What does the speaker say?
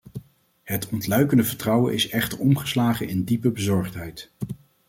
Het ontluikende vertrouwen is echter omgeslagen in diepe bezorgdheid.